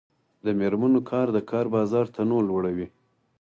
د میرمنو کار د کار بازار تنوع لوړوي.